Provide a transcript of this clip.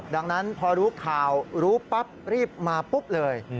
ดังนั้นพอรู้ข่าวรู้ปั๊บรีบมาปุ๊บเลย